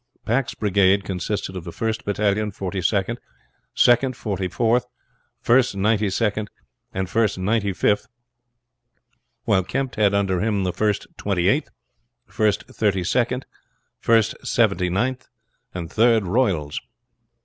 Pack's brigade consisted of the first battalion Forty second, second Forty fourth, first Ninety second, and first Ninety fifth, while Kempt had under him the first Twenty eighth, first Thirty second, first Seventy ninth, and Third Royals.